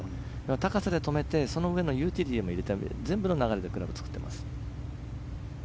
高さで止めて、その上のユーティリティーで全部の流れでクラブを作っています。